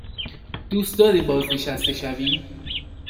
دوست داری بازنشسته شوی؟